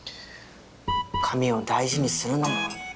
髪を大事にするのも。